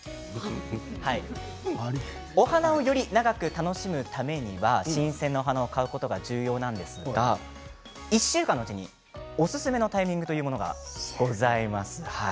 お花をより長く楽しむためには新鮮なお花を買うことが重要なんですが１週間のうちにおすすめのタイミングというものがございます。